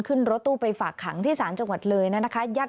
ขึ้นรถตู้ไปฝากขังที่ศาลจังหวัดเลยนะคะ